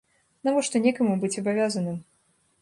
Навошта некаму быць абавязаным?